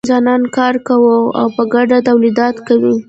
انسانان کار کوي او په ګډه تولیدات کوي.